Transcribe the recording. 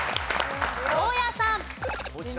大家さん。